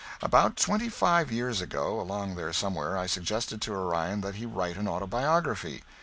About twenty five years ago along there somewhere I suggested to Orion that he write an autobiography.